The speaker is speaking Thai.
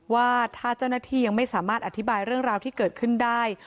ว่าถ้าเจ้าหน้าที่ยังไม่สามารถอธิบายเรื่องราวที่เกิดขึ้นได้